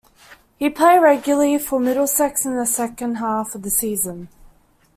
He played regularly for Middlesex in the second half of the season.